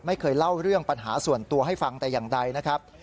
ไม่เคยเล่าเรื่องปัญหาส่วนตัวให้ฟังแต่อย่างใดนะครับ